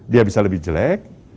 dia bisa lebih jelek